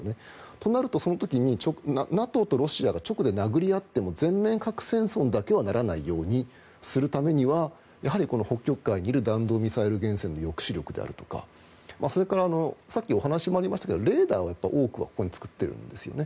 となると、その時にＮＡＴＯとロシアが直で殴り合っても全面核戦争だけにはならないようにするためにはやはり北極海にいる弾道ミサイル原潜の抑止力とかそれから、さっきお話もありましたがレーダーは、多くはここに作ってるんですよね。